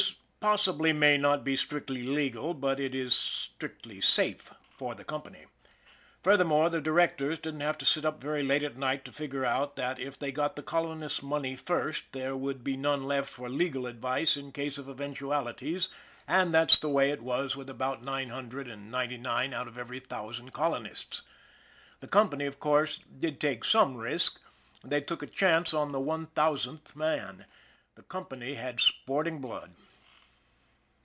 This possibly may not be strictly legal, but it is strictly safe for the company. Furthermore, the directors didn't have to sit up very late at night to figure out that if they got the colonists' money first there would be none left for legal advice in case of 92 SHANLEY'S LUCK 93 eventualities, and that's the way it was with about nine hundred and ninety nine out of every thousand colo nists. The company, of course, did take some risk they took a chance on the one thousandth man. The company had sporting blood.